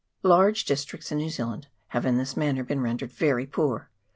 Large districts in New Zealand have in this manner been rendered very poor.